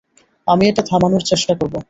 আমি এটা থামানোর চেষ্টা করব।